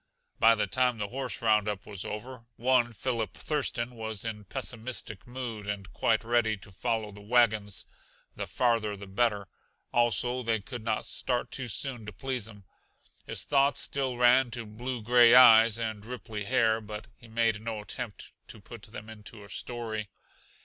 By the time the horse roundup was over, one Philip Thurston was in pessimistic mood and quite ready to follow the wagons, the farther the better. Also, they could not start too soon to please him. His thoughts still ran to blue gray eyes and ripply hair, but he made no attempt to put them into a story.